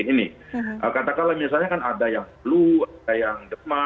misalnya kalau ada virus covid sembilan belas ini misalnya kalau ada virus covid sembilan belas ini